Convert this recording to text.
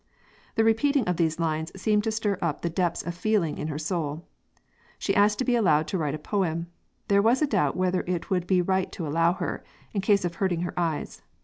The repeating these lines seemed to stir up the depths of feeling in her soul. She asked to be allowed to write a poem; there was a doubt whether it would be right to allow her, in case of hurting her eyes.